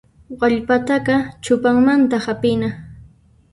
Wallpataqa chupanmanta hap'ina.